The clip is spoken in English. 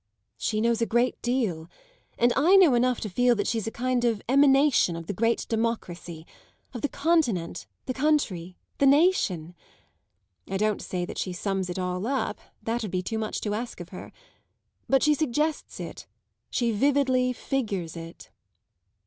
"She knows a great deal, and I know enough to feel that she's a kind of emanation of the great democracy of the continent, the country, the nation. I don't say that she sums it all up, that would be too much to ask of her. But she suggests it; she vividly figures it."